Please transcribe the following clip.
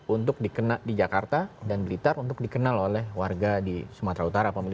untuk dikenal di jakarta dan blitar untuk dikenal oleh warga di sumatera utara